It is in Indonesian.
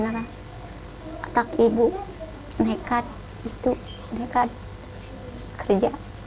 tetap ibu mereka kerja